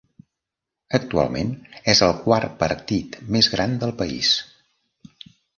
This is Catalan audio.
Actualment és el quart partit més gran del país.